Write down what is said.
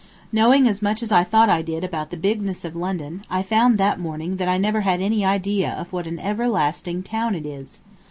Knowing as much as I thought I did about the bigness of London, I found that morning that I never had any idea of what an everlasting town it is.